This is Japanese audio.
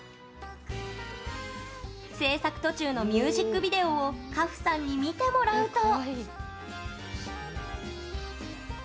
制作途中のミュージックビデオを花譜さんに見てもらうと。